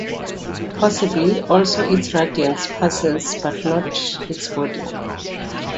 Possibly also its radiance passes, but not its body.